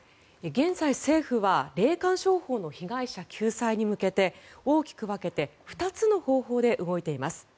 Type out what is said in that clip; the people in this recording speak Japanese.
現在、政府は霊感商法の被害者救済に向けて大きく分けて２つの方法で動いています。